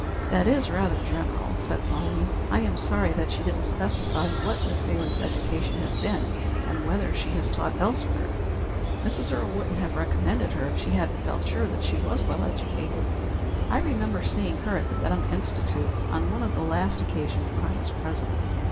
"That is rather general," said Pauline. "I am sorry that she didn't specify what Miss Bailey's education has been, and whether she has taught elsewhere." "Mrs. Earle wouldn't have recommended her if she hadn't felt sure that she was well educated. I remember seeing her at the Benham Institute on one of the last occasions when I was present.